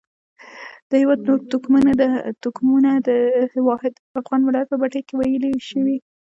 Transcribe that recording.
د هېواد نور توکمونه د واحد افغان ملت په بټۍ کې ویلي شوي.